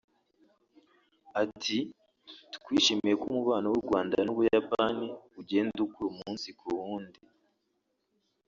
Ati “ Twishimiye ko umubano w’u Rwanda n’u Buyapani ugenda ukura umunsi ku wundi[…]”